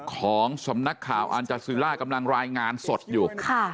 ของสำนักข่าวอันจาซิล่ากำลังรายงานสดอยู่